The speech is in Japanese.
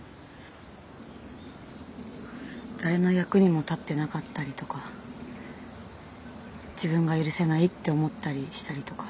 誰の役にも立ってなかったりとか自分が許せないって思ったりしたりとか。